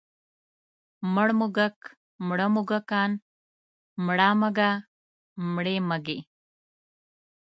مړ موږک، مړه موږکان، مړه مږه، مړې مږې.